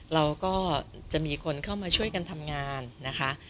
เราก็จะมีคนเข้ามาช่วยกันทำงานนะคะ